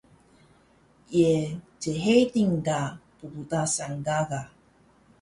Ye chedil ka pptasan gaga?